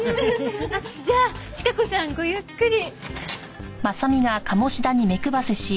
じゃあチカ子さんごゆっくり。